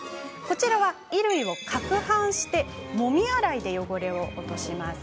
衣類をかくはんしてもみ洗いで汚れを落とします。